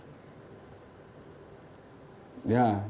ya jadi ini tim ini satu eksekusi